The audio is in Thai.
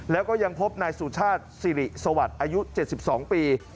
แล้วก็ยังพบนายสุชาติสิริสวัสดิ์อายุ๗๒ปี